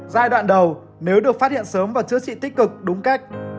giai đoạn đầu nếu được phát hiện sớm và chữa trị tích cực đúng cách